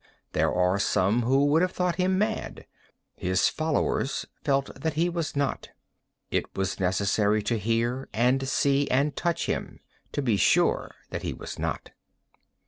There are some who would have thought him mad. His followers felt that he was not. It was necessary to hear and see and touch him to be sure that he was not.